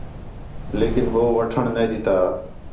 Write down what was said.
لیکن ہو وٹھݨ نَے ݙِتّا